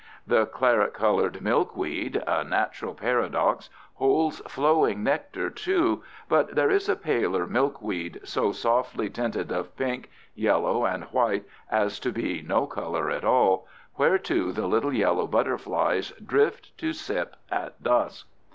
The claret colored milkweed (a natural paradox) holds flowing nectar, too, but there is a paler milkweed, so softly tinted of pink, yellow, and white as to be no color at all, whereto the little yellow butterflies drift to sip at dusk.